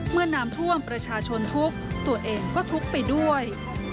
เมื่อน้ำท่วมประชาชนทุกข์ตัวเองก็ทุกข์ไปด้วย